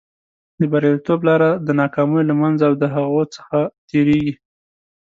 د بریالیتوب لاره د ناکامیو له منځه او د هغو څخه تېرېږي.